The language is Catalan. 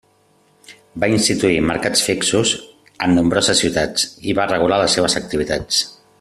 Va instituir mercats fixos en nombroses ciutats i va regular les seves activitats.